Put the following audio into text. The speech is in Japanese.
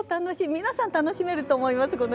皆さん、楽しめると思います